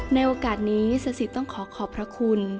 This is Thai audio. ในโอกาสนี้สสิทธต้องขอขอบพระคุณ